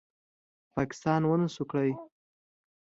پاکستان ونشو کړې